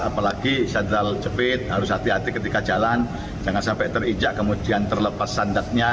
apalagi sandal cepit harus hati hati ketika jalan jangan sampai terijak kemudian terlepas sandaknya